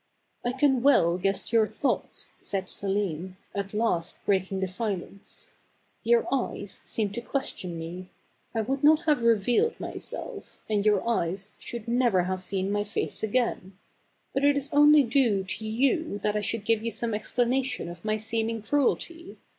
" I can well guess your thoughts," said Selim, at last breaking the silence. "Your eyes seem to question me. I would not have revealed myself, and your eyes should never have seen my face again ; but it is only due to you that I THE CARAVAN. 225 should give you some explanation of my seeming cruelty.